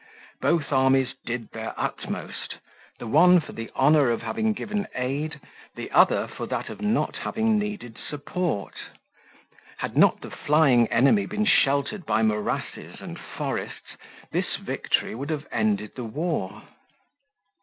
Both armies did their utmost; the one for the honour of having given aid, the other for that of not having needed support. Had not the flying enemy been sheltered by morasses and forests, this victory would have ended the war.